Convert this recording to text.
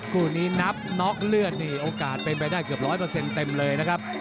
คู่นี้นับน็อกเลือดนี่โอกาสเป็นไปได้เกือบ๑๐๐เต็มเลยนะครับ